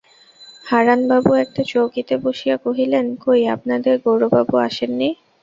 হারানবাবু একটা চৌকিতে বসিয়া কহিলেন, কই, আপনাদের গৌরবাবু আসেন নি?